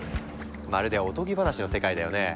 まるでおとぎ話の世界だよね。